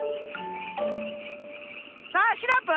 さあシナプー